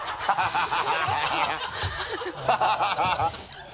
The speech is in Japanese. ハハハ